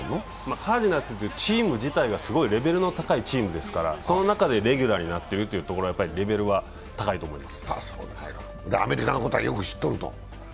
カージナルスというチーム自体が非常にレベルの高いチームですからその中でレギュラーになっているというところでレベルは高いと思います。